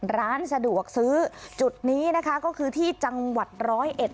ร้านสะดวกซื้อจุดนี้นะคะก็คือที่จังหวัดร้อยเอ็ด